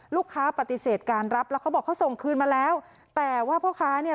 ลูกค้าปฏิเสธการรับแล้วเขาบอกเขาส่งคืนมาแล้วแต่ว่าพ่อค้าเนี่ย